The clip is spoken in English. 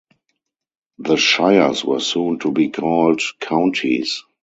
The shires were soon to be called counties.